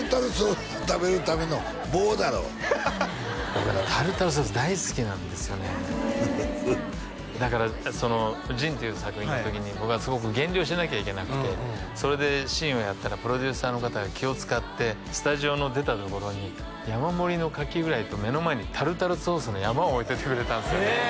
僕タルタルソース大好きなんですよねだから「ＪＩＮ−仁−」っていう作品の時に僕はすごく減量しなきゃいけなくてそれでシーンをやったらプロデューサーの方が気を使ってスタジオの出たところに山盛りのカキフライと目の前にタルタルソースの山を置いといてくれたんですよね